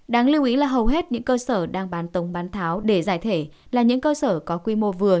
đáng lưu ý là hầu hết những cơ sở đang bán tống bán tháo để giải thể là những cơ sở có quy mô vừa